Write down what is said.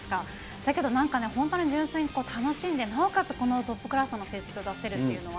だけどなんか、本当に純粋に楽しんで、なおかつこのトップクラスの成績を出せるっていうのは、